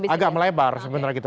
agak melebar sebenarnya gitu